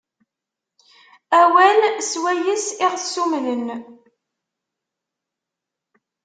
Awal s wayes i ɣ-ssumnen.